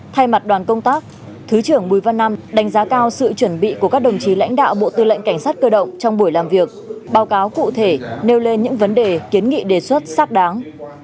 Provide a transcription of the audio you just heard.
thay mặt đoàn công tác thứ trưởng bùi văn nam đánh giá cao sự chuẩn bị của các đồng chí lãnh đạo bộ tư lệnh cảnh sát cơ động trong buổi làm việc báo cáo cụ thể nêu lên những vấn đề kiến nghị đề xuất xác đáng